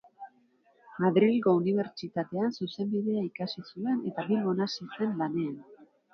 Madrilgo Unibertsitatean Zuzenbidea ikasi zuen eta Bilbon hasi zen lanean.